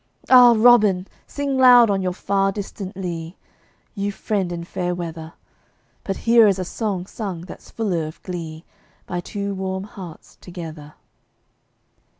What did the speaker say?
Ah, Robin! sing loud on your far distant lea, You friend in fair weather! But here is a song sung that's fuller of glee, By two warm hearts together.